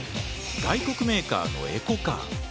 外国メーカーのエコカー。